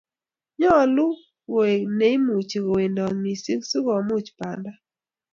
nyalun koel neimuchi kowendat mising siko much banda